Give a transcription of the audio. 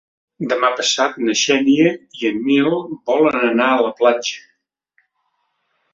Demà passat na Xènia i en Nil volen anar a la platja.